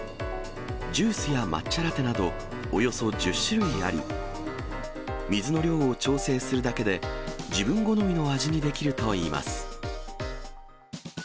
ジュースや抹茶ラテなど、およそ１０種類あり、水の量を調整するだけで、自分好みの味にできるといいます。